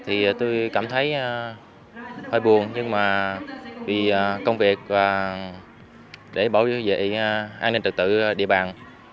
thì tôi cảm thấy hơi buồn nhưng mà vì công việc để bảo vệ an ninh trực tự địa bàn